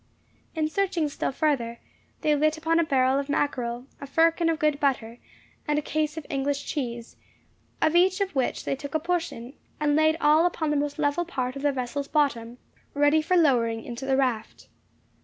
In searching still further, they lit upon a barrel of mackerel, a firkin of good butter, and a case of English cheese; of each of which they took a portion, and laid all upon the most level part of the vessel's bottom, ready for lowering into the raft.